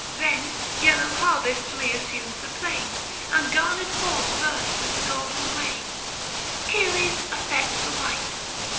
Then yellow harvests reassumed the plain, And garner'd hoards burst with the golden grain. Ceres affects the white.